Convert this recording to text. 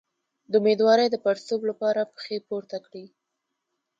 د امیدوارۍ د پړسوب لپاره پښې پورته کړئ